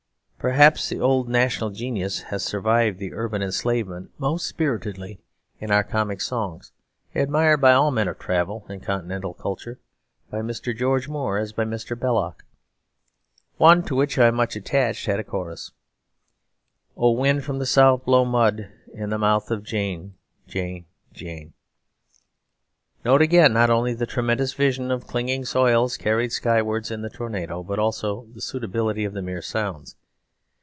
Perhaps the old national genius has survived the urban enslavement most spiritedly in our comic songs, admired by all men of travel and continental culture, by Mr. George Moore as by Mr. Belloc. One (to which I am much attached) had a chorus "O wind from the South Blow mud in the mouth Of Jane, Jane, Jane." Note, again, not only the tremendous vision of clinging soils carried skywards in the tornado, but also the suitability of the mere sounds.